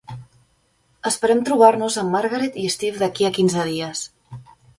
Esperem trobar-nos amb Margaret i Steve d'aquí a quinze dies.